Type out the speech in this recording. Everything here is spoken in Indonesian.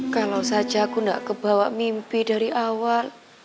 kalau saja aku tidak kebawa mimpi dari awal